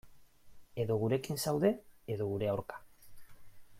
Edo gurekin zaude, edo gure aurka.